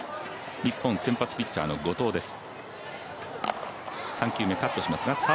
日本、先発ピッチャーの後藤です。